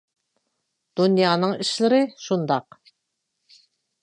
دۇنيانىڭ ئىشلىرى شۇنداق.